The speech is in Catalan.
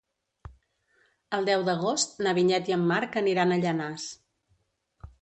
El deu d'agost na Vinyet i en Marc aniran a Llanars.